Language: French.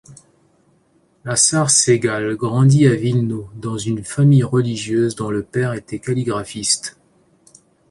Lasar Segall grandit à Vilno dans une famille religieuse dont le père était calligraphiste.